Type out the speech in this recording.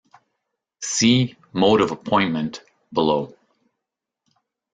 See 'Mode of Appointment' below.